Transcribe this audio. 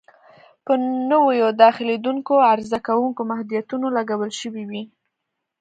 په نویو داخلېدونکو عرضه کوونکو محدودیتونه لګول شوي وي.